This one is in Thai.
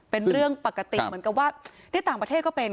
เป็นเรื่องปกติเหมือนกับว่าที่ต่างประเทศก็เป็น